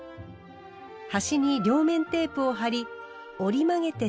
端に両面テープを貼り折り曲げて接着。